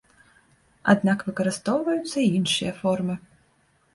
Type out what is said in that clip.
Аднак выкарыстоўваюцца і іншыя формы.